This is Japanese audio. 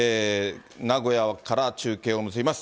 名古屋から中継を結びます。